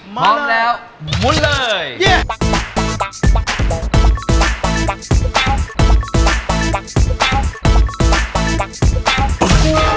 พร้อมแล้วมุนเลย